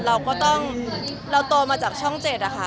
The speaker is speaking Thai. เราก็ต้องเราโตมาจากช่อง๗ค่ะ